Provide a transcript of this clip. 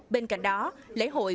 bên cạnh đó lễ hội